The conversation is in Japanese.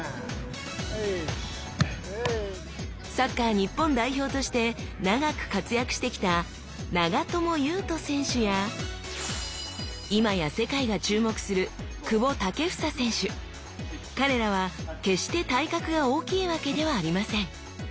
サッカー日本代表として長く活躍してきた長友佑都選手や今や世界が注目する彼らは決して体格が大きいわけではありません。